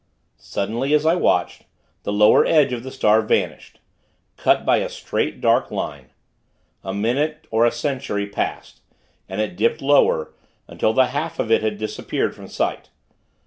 Suddenly, as I watched, the lower edge of the star vanished cut by a straight, dark line. A minute or a century passed, and it dipped lower, until the half of it had disappeared from sight.